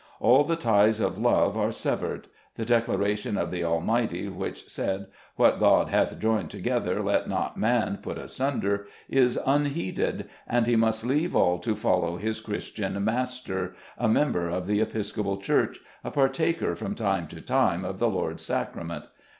All the ties of love are severed ; the declaration of the Almighty, which said, "What God hath joined together, let not man put asunder," is unheeded, and he must leave all to follow his Christian master, a member of the Epis copal Church — a partaker, from time to time, of the Lord's Sacrament.